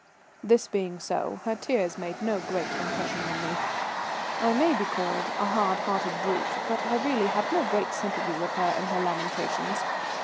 This being so, her tears made no great impression on me. I may be called a hard hearted brute, but I really had no great sympathy with her in her lamentations.